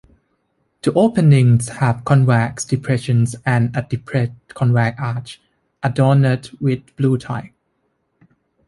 The openings have convex depressions and a depressed convex arch, adorned with blue tiles.